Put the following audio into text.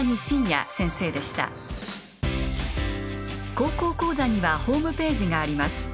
「高校講座」にはホームページがあります。